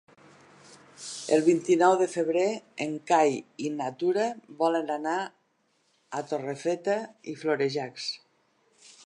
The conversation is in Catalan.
El vint-i-nou de febrer en Cai i na Tura volen anar a Torrefeta i Florejacs.